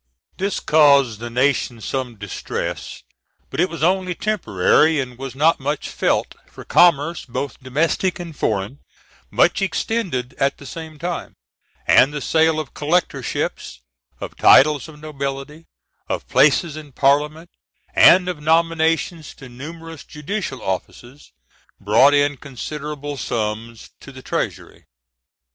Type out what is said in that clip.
This caused the nation some distress, but it was only temporary, and was not much felt, for commerce, both domestic and foreign, much extended at the same time, and the sale of collectorships, of titles of nobility, of places in parliament, and of nominations to numerous judicial offices, brought in considerable sums to the treasury.